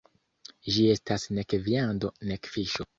Ĝi estas nek viando nek fiŝo.